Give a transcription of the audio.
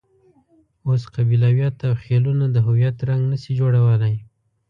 اوس قبیلویت او خېلونه د هویت رنګ نه شي جوړولای.